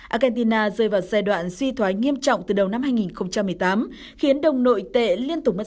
argentina rơi vào giai đoạn suy thoái nghiêm trọng từ đầu năm hai nghìn một mươi tám khiến đồng nội tệ liên tục mất